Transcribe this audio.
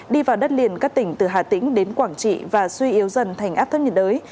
đi vào đất liền các tỉnh từ hà tĩnh đến quảng trị và suy yếu dần thành áp thấp nhiệt đới